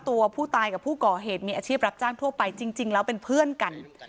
ตัวผู้ตายกับผู้ก่อเหตุมีอาชีพรับจ้างทั่วไปจริงแล้วเป็นเพื่อนกัน